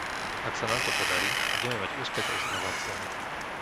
Ak sa nám to podarí, budeme mať úspech aj s inováciami.